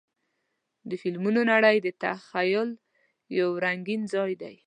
د فلمونو نړۍ د تخیل یو رنګین ځای دی.